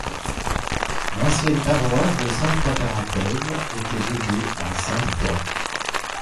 L'ancienne paroisse de Sainte-Foy-Tarentaise était dédiée à Sainte Foy.